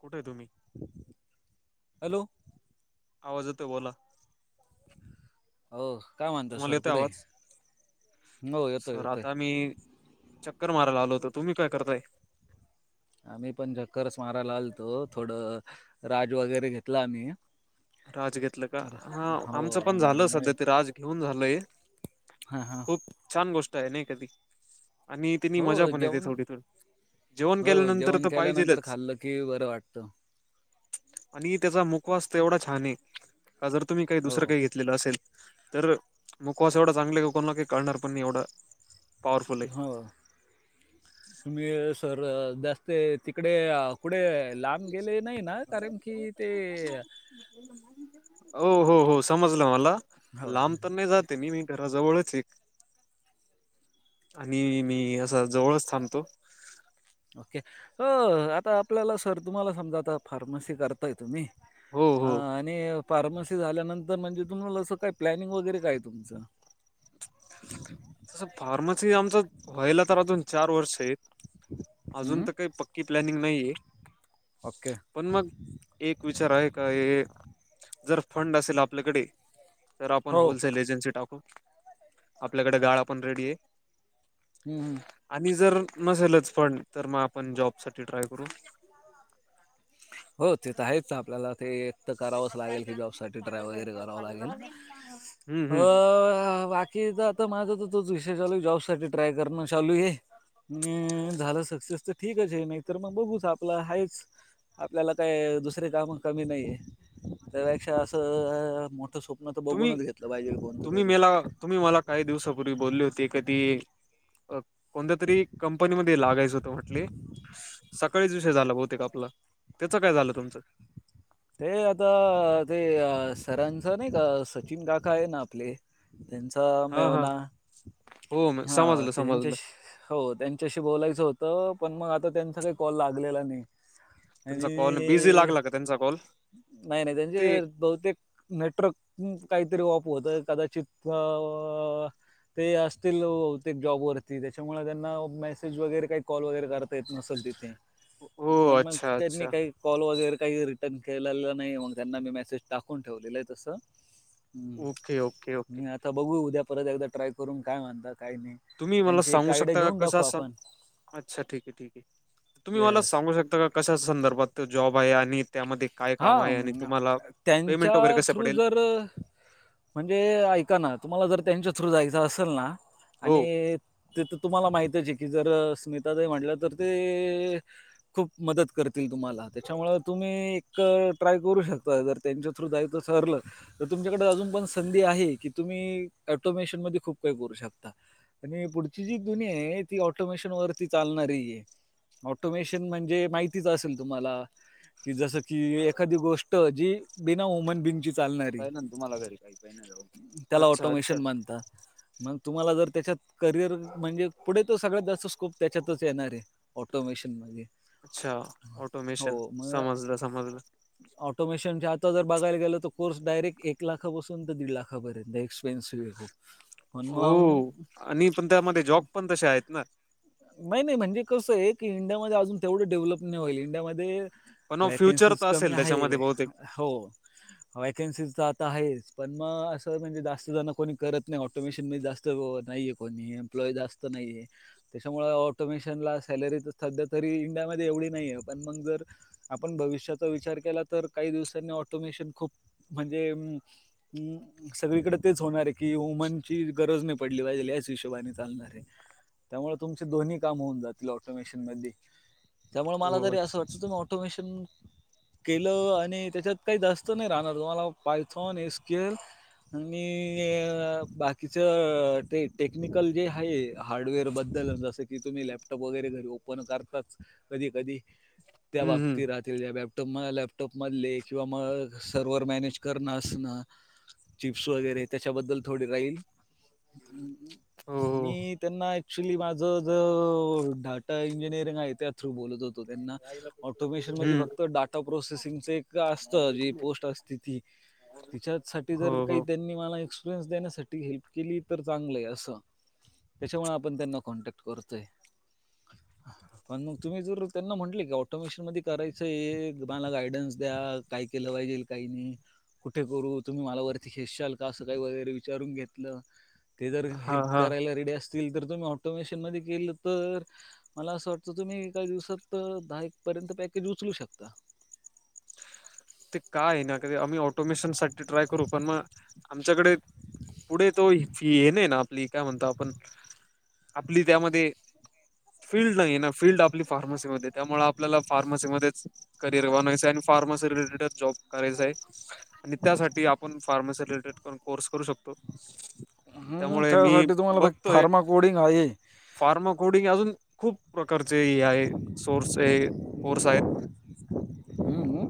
कुठे हाय तुम्ही? हॅलो! आवाज येतोय बोला. हो काय मानता तुम्हाला सर येतोय कुठे? आवाज? हो येतोय येतोय. मी चक्कर मारायला आलो होतो. तुम्ही काय करताय? आम्ही पण झक्करच मारायला आलतो, थोडं राज वगैरे घेतला आम्ही राज घेतलं का? अर हा हो आमचं पण आणि झालं सध्या ते राज घेऊन झालंय. हा हा. खूप छान गोष्ट आहे ना काय ती आणि त्यांनी हो मजा पण येते जेवण थोडी थोडी. जेवण हो केल्यानंतर जेवण तर केल्यानंतर पाहिजेलच खाल्लं की, बरं वाटतं. आणि त्याचा मुकवास तर एवढा छान ये का जर का तुम्ही काही हो दुसरं काही घेत लेलं असेल, तर मुकवास एवढा चांगला ये की कोणाला काही कळणार पण नाही एवढ हो तुम्ही सर जास्त तिकडे पुढे लांब गेले नाही ना, कारण की ते हो हो हो, समजलं मला हो लांब तर नाही जात मी मी घराजवळच ये. आणि मी असा जवळच थांबतो. ओके अ आता आपल्याला सर तुम्हाला, समजा आता फार्मसी करताय तुम्ही? हो हा हो आणि फार्मसी झाल्यानंतर म्हणजे तुम्हाला असं काय प्लॅनिंग वगैरे काय तुमचं? [inaudible] तस फार्मसी आमच व्हायला तर, अजून चार वर्ष आहेत. अजून हं. तर काही पक्की प्लॅनिंग नाही ये. ओके. पण मग एक विचार आहे का? हे जर फंड असेल आपल्याकडे तर आपण हो. होलसेल एजन्सी टाकू, आपल्याकडे गाळा पण रेडी आहे. हम्म, आणि जर नसेलच फंड तर, मग आपण जॉब साठी ट्राय करू. हो ते तर, आहेच आपल्याला ते तर करावंच लागेल की, जॉबसाठी ट्राय वगैरे करावं लागेल हम्म अ हम्म हा वाट कि एकदा आता माझा तर तोच विषय चालू आहे, जॉब साठी ट्राय करणं चालू आहे. नी झालं सक्सेस तर ठीकच आहे, नाहीतर मग बघूच आपलं हायेच. आपल्याला काही दुसरे कामं कमी नाही आहे त्यापेक्षा असं अ अ मोठ स्वप्न तर तुम्ही बघूनच घेतलंच पाहिजेल, कोणतं तुम्ही तरी. मला तुम्ही मला काही दिवसापूर्वी बोलले होते ती का ती अ कोणत्या तरी कंपनी मध्ये लागायच होत म्हटली स सकाळीच विषय झाला बहुतेक आपला, त्याचं काय झालं तुमचं? ते आता ते अ सरांचं नाही का? सचिन काका आहे ना आपले त्यांचा हा हा मेव्हणा हो म- हा समजलं समजलं त्यांच्याशी हो त्यांच्याशी बोलायचं होतं पण, मग आता त्यांचा काही कॉल लागलेला नाही. त्यांचा कॉल बिझी लागला आणि का त्यांचा कॉल? नाही नाही ते त्यांचे बहुतेक नेटवर्क काहीतरी ऑफ होतंय कदाचित अ ते असतील, बहुतेक जॉब वरती त्याच्यामुळे त्यांना मेसेज वगैरे काही कॉल वगैरे करत ता येत नसेल तिथे हो पण, मग अच्छा त्यांनी अच्छा काही कॉल वगैरे काही री टर्न केलेला नाही मग, त्यांना मी मेसेज टाकून ठेवलेला आहे तसं. हम्म. Okay okay okay! मी आता बघू उद्या परत, एकदा ट्राय करून काय म्हणता काय नाही. तुम्ही मला त्यांची एक सांगू आयडिया शकता घेऊन का, टाकू कसा सा? आपण अच्छा ठीक आहे ठीक आहे तुम्ही मला येस सांगू शकता का कशा संदर्भात त जॉब आहे आणि त्यामध्ये काय हा काम आहे आणि म्या तुम्हाला पेमेंट वगैरे त्यांच्या कसं थ्रू पडेल जर म्हणजे ऐका ना तुम्हाला जर त्यांच्या थ्रू जायच असेल ना हो आणि ते तर तुम्हाला माहितच आहे की जर स्मिता ताई म्हटल्या तर ते खूप मदत करतील तुम्हाला, त्याच्यामुळ तुम्ही तर ट्राय करू शकता जर त्यांच्या थ्रू जायचं सरलं. तर तुमच्याकडे अजून पण संधी आहे की तुम्ही ऑटोमेशन मध्ये खूप काही करू शकता. आणि पुढची जी दुनिया आहे ती ऑटोमेशन वरती चालणारी आहे. ऑटोमेशन म्हणजे माहितीच असेल तुम्हाला की जस जी एखादी गोष्ट जी बिना हुमन बिंगची चालणारी त्याला अच्छा अच्छा ऑटोमेशन म्हणता. मग तुम्हाला जर त्याच्यात करिअर म्हणजे पुढे तो सगळ्यात जास्त स्कोप त्याच्यातच येणार आहे. ऑटोमेशन मगे. अच्छा ऑटोमेशन, समजलं समजलं. ऑटोमेशनच्या आता जर बघायला गेलं तर कोर्स डायरेक्ट एक लाखा बसून तर दीड लाखार्यंत एक्सपेनसिव्ह आहे खूप पण मग हो. आणि पण त्यामध्ये जॉब पण तसे आहेत ना. नाही नाही म्हणजे कसं आहे की इंडियामध्येध्ये अजून तेवढं डेव्हलप नाही व्हायलं इंडियामध्ये पण फ्युचर वॅकन्सीज तर कमी असेल आहे त्याच्यामध्ये बहुतेक हो. वेकन्सीज तर आता आहेच पण मग असं म्हणजे जास्त जण कोणी करत नाही ऑटोमेशन मध्ये जास्त तर हो. नाहीये कोणी एम्प्लॉई जास्त नाहीये. त्याच्यामुळे ऑटोमेशनला सॅलरीच सध्या तरी इंडियामध्ये एवढी नाही आहे पण मग जर आपण भविष्याचा विचार केला तर काही दिवसांनी ऑटोमेशन खूप म्हणजे उम्म ऊ सगळीकडे तेच होणार आहे की वुमनची गरज नाही पडली पाहिजे याच हिशेबाने चालणार आहे. त्यामुळ तुमचे दोन्ही काम होऊन जातील ऑटोमेशन मध्ये त्यामुळ मला हो तरी असं अच्छा अच्छा वाटत तुम्ही ऑ ऑटोमेशन. केलं आणि त्याच्यात काही जास्त नाही राहणार तुम्हाला पायथॉन एस्केल आणि बाकीच ते टेक्निकल जे आहे हार्डवेअर बद्दल बद् जस की तुम्ही लॅपटॉप वगैरे घरी ओपन करता कधी कधी त्या हम्म हम्म बाबतीत राह जॅपटॉप लॅपटॉप मधले किंवा मग सर्व्हर मॅनेज करण असणं चिप्स वगैरे त्याच्याबद्दल थोडी राहील. हो हो मी त्यांना क्चुली माझ ज डाटा इंजिनिअरिंग आहे त्या थ्रू बोलत होतो त्यांना ऑटोमेशन मध्ये हम्म फक्त डाटा प्रोसेसिंगच एक असत जी पोस्ट असते ती तिच्यासाठी जर हो काही हो त्यांनी मला एक्सपिरियन्स देण्यासाठी हेल्प केली तर चांगलंय असं. त्याच्यामुळे आपण त्यांना कॉन्टॅक्ट करतोय. पण मग तुम्ही जर त्यांना म्हटले की ऑटोमेशन मध्ये करायचंय मला गायडन्स द्या.. काय केलं पाहिजेल काही नाही. कुठे करू तुम्ही मला वरती खेसशाल का असं काही वगैरे विचारून घेतलं. ते जर हा हेल्प हा करायला रेडी असतील तर तुम्ही ऑटोमेशन मध्ये केलं तर मला असं वाटतं तुम्ही एका दिवसात दहा एक पर्यंत पॅकेज उचलू शकता. ते काय आहे ना कध आम्ही ऑटोमेशनसाठीठी ट्राय करू पण मग आमच्याकडे पुढे तो ये नाही ना आपली काय म्हणतो आपण आपली त्यामध्ये फीलल्ड नाही ना फीलल्ड आपली फार्मसीमध्येध्ये त्यामुळे आपल्याला फार्मसीमध्येच करिअर आणि फार फार्मसी रिटेड जॉब करायचाय आणि त्यासाठी आपण फार्मसी रिटेड कोर्स करू शकतो. हम् त्यामुळे मी त्यासाठी तुम्हाला फार्मा कोडिंग आहे. फार्माकोडिंग अजून खूप प्रकारचे आहे सोर्स कोर्स आहेत. हम्म्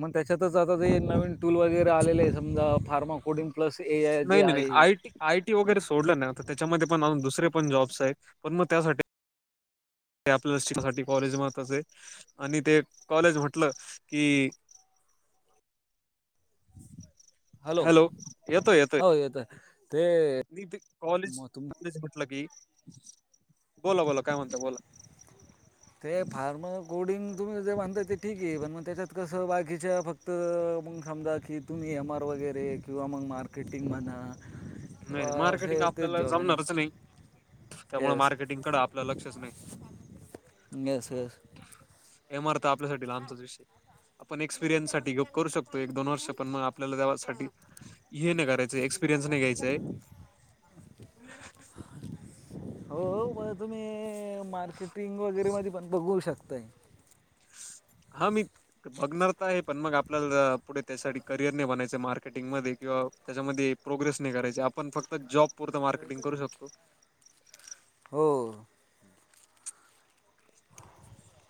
मग त्याच्यातच आता ते नवीन टूल वगैरे आले आहे समजा फार्माकोडिंग नाही नाही नाही आ. आय टी वगैरे सोडलं नाही त्याच्यामध्ये पणज दुरे पण जॉब्स आहेत पण मग त्यासाठी ते आपल्या शिकासाठी कॉलेज मत असे आणि ते कॉलेज म्हटलं की हॅलो येतोय येतोय. हो येत. मी ते कॉलेज म्हटलं की बोला बोला काय म्हणत बोला. ह. ते फार्म कोडिंग तुम्ही जे म्हनताय ते ठीक आहे पण मग त्याच्यात कसं बाकीच्या फक्त फक्त मग समजा की तुम्ही ए एम आर वगैरे किंवा मग मार्केटिंग म्हणा. नाही किंवा नाही मार्केटिंग असे तेच आपल्याला जॉब आहे ना जमणारच नाही. त्यामुळे येस मार्केटिंग कड आपलं लक्षच नाही. येस येस एमारथ आपल्यासाठी लांबचाच विषय आपण एक्सपिरियन्स साठीप करू शकतो एक दोन वर्ष पण मग आपल्याला देसाठी हे नाही करायचं एक्सपिरियन्स नाही्यायंय. [unintelligible] हो म तुम्ही मार्केटिंग वगैरे म पण बघू शकता. ते. ह मित. बघणार तर आहे पण मग आपल्याला पुढे त्यासाठी करिअर नाही बनायचं मार्केटिंग मध्ये किंवा त्याच्यामध्ये प्रोग्रेस नाही करायची आपण फक्त जॉब पुरत मार्केटिंग करू शकतो. हो.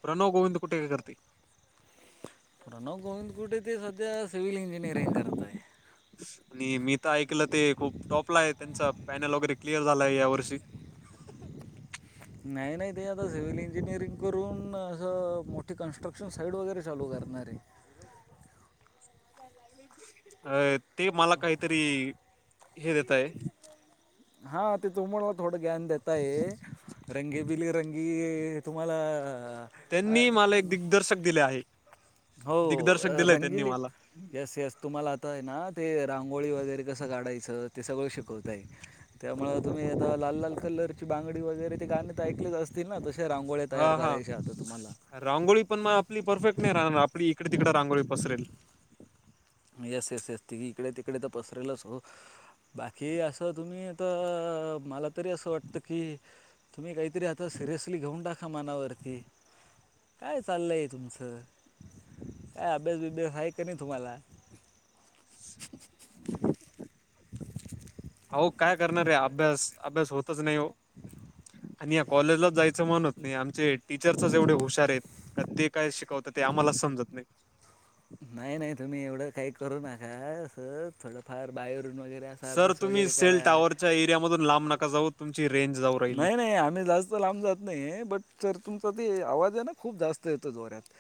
प्रणो गोविंद कुठे का करते. प्रणव गोविंदकुटे ते सध्या सिव्हिल इंजिनिअरिंग करत आहे. ह्. आणि मी तर ऐकलं ते खूप टॉपला आहे त्यांचा पॅनल वगैरे क्लिअर झालाय या वर्षी नाही नाही ते आता सिव्हिल इंजिनिअरिंग करून असं मोठी कन्स्ट्रक्शन साईड वगैरे चालू करणार आहे. अ ते मला काहीतरी हे देतय. हा तेथं मला थोडं ज्ञान देेतय रंगीबिली रंगी. तुम्हाला? अ त्यांनी मला एक दिग्दर्शक दिले आहे हो दिग्दर्शक दिलंय त्यांनी रंगिली. मला येस यस तुम्हाला आता आहे ना ते रांगोळी वगैरे कसं काढायचं ते सगळं शिकवत आहे. त्यामु तुम्ही आता लाल लाल कलर. ची बांगडी वगैरे ते गाण ते ऐकलेच असते. होतील ना तशा राऊत. हा हा रांगोळी पण म आपली परफेक्ट नाही रा आपली तिकडे तिकडे रांगोळी पसरल. मी एस एस एस ती इकडे तिकडे तर पसरलच अस हो. बाकी असं तुम्ही तर मला तरी असं वाटतं की तुम्ही काहीतरी आता सिरियसली घेऊन टाका मनावरती काय चाललं आहे तुमचं काय अभ्यासबिभ्यास आहे का नाही तुम्हाला [unintelligible] अ काय करणारे अभ्यास अभ्यास होतच नाही. आणि या कॉलेजलाच जायचं म्हण होत नाही आमचे टीचरच एवढे हुशार आहेत. का ते काय शिकवतं ते आम्हालाच समजत नाही. नाही नाही तुम्ही एवढं काही करू नका असं थोडंफार बाहेरून वगैरे असा सर अभ्यास तुम्ही वगैरे सेल करा टावरच्या एरिया मधून लांब नका जाऊ तुमची रेंज जाऊ राहिली. नाही आम्ही जा. लांब जात नाही बट तर तुमचा त आवाज आहे ना खूप जास्त य जोऱ्यात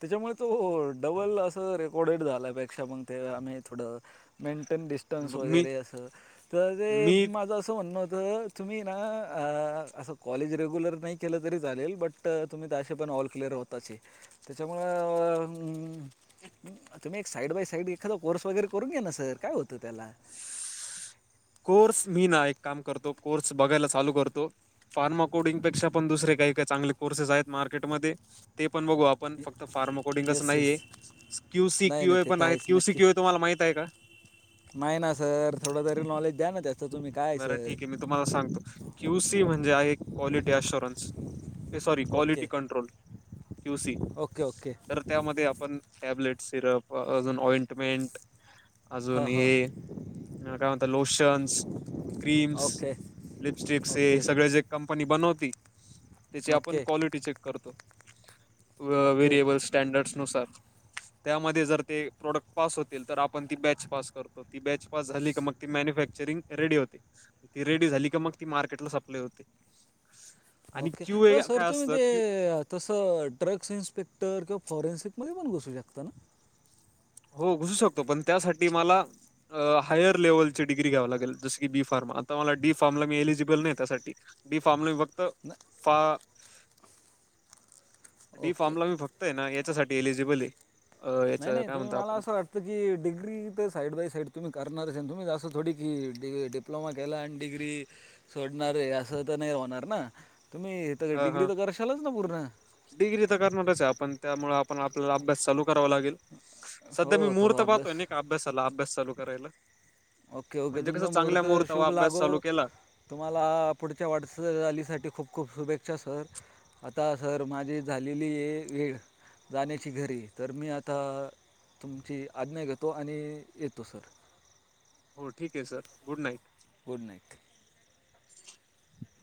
त्याच्यामुळे तो डबल च रेकॉर्डेड झाल्यापेक्षा मग आम्ही थोड मेंटेन डीस टन्स ब- मी वगैरे असं, तर ते मी माझं असं म्हणणं होतं, तुम्ही ना असं कॉलेज रेग्युलर नाही केलं तरी चालेल, बट तुम्ही त् असे पण ऑल क्लिअर होता. ताचे त्याच्यामुळं, अ तुम्ही एक साईड बाय साईड एखादा कोर्स वगैरे करून घ्या ना सर, काय होतं त्याला. कोर्स मी ना एक काम करतो, कोर्स बघायला चालू करतो. फार्मा कोडिंगपेक्षा पण दुसरे काही काही चांगले कोर्सेस आहेत मार्केटमध्ये, ते पण बघू आप पण फक्त फार्मा कोडिंगच येस नाहीये, येस क्यूसी नाही क्यूए नाही ते पण तर आहेत आहेच क्यूसी नक्की क्यूए तुम्हाला माहित आहे का? नाही ना सर, थोडं तरी नॉलेज द्या ना त्यात. बरं ठीक आहे मी तुम्हाला सांगतो, क्यू सी म्हणजे आहे, क्वालिटी अशुरन्स. ऐ sorry, okay quality control Q C okay okay तर त्यामध्ये आपण टॅबलिट सिरप अजून ऑइंटमेनट. अजून ह ह हे, काय म्हणत? लोशन्स. क्रीम्स, ओके लिपस्टिक्स हे ओके सगळे जे कंपनी बनवती, त्याची आपण ओके क्वालिटी चेक करतो. ओके वेरिएबल स्टॅडर्डस नुसार. त्यामध्ये जर ते प्रोडक्ट पास होतील, तर आपण ती बॅच पास करतो. ती बॅच पास झाली का? मग ती मॅन्युफॅक्चरिंग रेडी होते ती रेडी झाली का? मग ती मार्केटला सप्लाय होते. आणि ओके, क्यू ए सर काय तुम्ही असतं ते क्यू तसं ड्रग्स इन्स्पेक्टर किंवा फॉरेन्सिकमध्येध्ये पण घसू शकतं ना? हो घुसू शकतो, पण त्यासाठी मला हायर लेवल डिग्री घ्याव लागेल, जस की बी फार्म, आता मला डी फार्ला मी एलिजिबल नाही, त्यासाठी. डी फार्म फक्त [inaudible] फा डी ओके फॉर्मला मी फक्तय ना याच्यासाठी एलिजिबले अ याच नाही नाही काय तुम्ही म्हणत मला आपण असं वाटतं डिग्री तर साईड बाय साईड तुम्ही करणार असेल तुम्ही जासं थोडी की डिप्लोमा केला, आणि डिग्री सोडणारे, असं त नाही होणार ना. तुम्ही त ह डग्री हा त करराशलच ना प पुर्ण. डिग्री तर करणारचे आपण. त्यामुळे आपण आपल्याला अभ्यास चालू करावा लागेल. सध्या मी हो तो मुहूर्त अभ्यास पाहतोय नाही का, अभ्यासाला, अभ्यास चालू करायला. ओके ओके, म्हणजे कसं तुमचा चांगल्या मुहूर्त मुहूर्तावर शुभ अभ्यास लागो. चालू केला तुम्हाला, पुढच्या वाटचालीसाठी खूप खूप शुभेच्छा सर. आता सर माझी झालेल्या, वेळ. जाण्याची घरी तर मी आता, तुमची आज्ञा घेतो, आणि येतो सर. हो ठीके sir, good night. Good night. [inaudible]